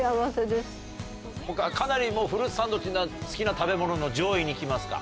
・かなりフルーツサンドというのは好きな食べ物の上位に来ますか？